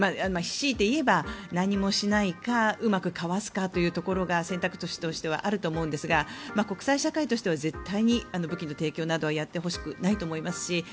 強いて言えば何もしないかうまくかわすかというところが選択肢としてはあると思うんですが国際社会としては絶対に武器の提供などはやってほしくないと思いますし